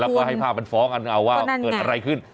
แล้วก็ให้ภาพมันฝ้องกันหนึ่งเอาว่าอะไรขึ้น